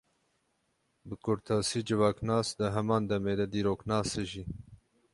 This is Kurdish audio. Bi kurtasî, civaknas di heman demê de dîroknas e jî.